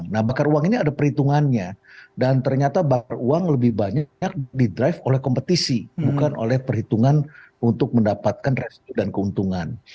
nah bakar uang ini ada perhitungannya dan ternyata bakar uang lebih banyak di drive oleh kompetisi bukan oleh perhitungan untuk mendapatkan restu dan keuntungan